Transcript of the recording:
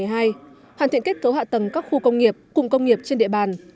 hoàn thiện kết cấu hạ tầng các khu công nghiệp cụm công nghiệp trên địa bàn